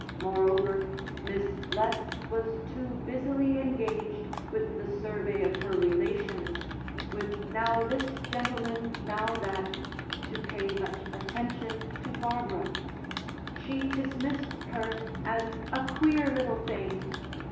Moreover, Miss Letts was too busily engaged with the survey of her relations, with now this gentleman, now that, to pay much attention to Barbara. She dismissed her as "a queer little thing."